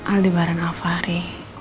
aldi bareng alvari